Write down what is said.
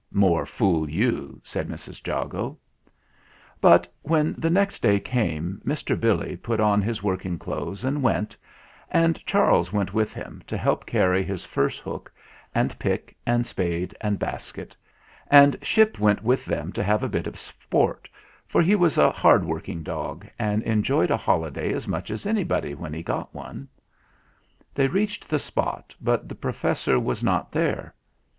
"More fool you," said Mrs. Jago. But when the next day came Mr. Billy put on his working clothes and went, and Charles went with him to help carry his furse hook and pick and spade and basket, and Ship went with them to have a bit of sport, for he was GETS TO WORK AGAIN 73 a hard working dog and enjoyed a holiday as much as anybody when he got one. They reached the spot, but the Professor was not there.